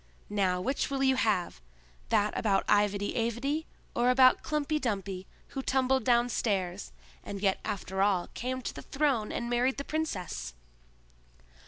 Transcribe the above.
Now which will you have; that about IvedyAvedy, or about Klumpy Dumpy who tumbled downstairs, and yet after all came to the throne and married the princess?"